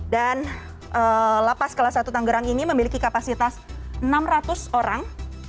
dan lapas kelas satu tangerang ini memiliki kapasitas enam ratus orang